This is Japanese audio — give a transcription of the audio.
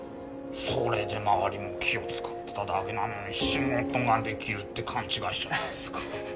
それで周りも気を使ってただけなのに仕事ができるって勘違いしちゃったっつうか。